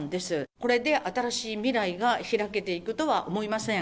これで新しい未来が開けていくとは思いません。